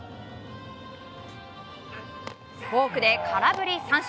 フォークで空振り三振。